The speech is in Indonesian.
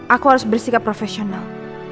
aku harus bersikap profesional